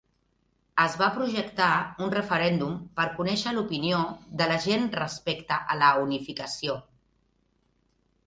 Es va projectar un referèndum per conèixer l'opinió de la gent respecte a la unificació.